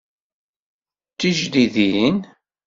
D tijdidin?